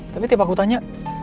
tapi tiap aku tanya